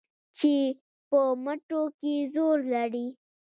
چې په مټو کې زور لري